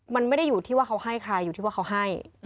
มันไม่ได้อยู่ที่ว่าเขาให้ใครอยู่ที่ว่าเขาให้